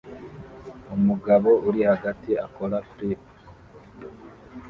Umugabo uri hagati akora flip